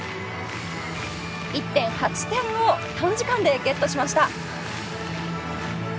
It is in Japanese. １．８点を短時間でゲットしました。